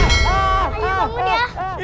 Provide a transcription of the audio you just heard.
ayu bangun ya